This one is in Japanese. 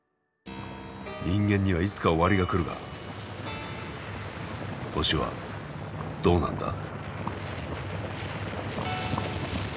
人間にはいつか終わりが来るが星はどうなんだ？